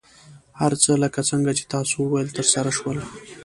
هر څه لکه څنګه چې تاسو وویل، ترسره شول.